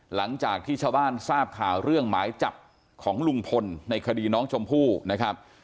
หลังจากที่ชาวบ้านทราบข่าวเรื่องหมายจับของลุงพลในคดีน้องชมพู่นะครับ